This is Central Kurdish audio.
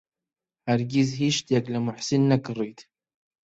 هەرگیز هیچ شتێک لە موحسین نەکڕیت.